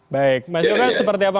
baik mas yona seperti apa